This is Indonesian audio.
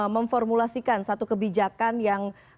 memformulasikan satu kebijakan yang